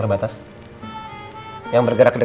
siapa yang salah